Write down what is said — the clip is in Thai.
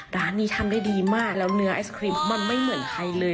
ร้านนี้ทำได้ดีมากแล้วเนื้อไอศครีมมันไม่เหมือนใครเลย